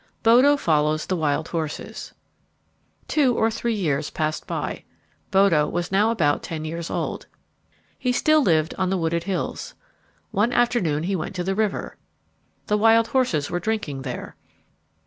Bodo Follows the Wild Horses Two or three years passed by. Bodo was now about ten years old. He still lived on the wooded hills. One afternoon he went to the river. The wild horses were drinking there.